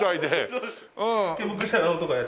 そうですよ。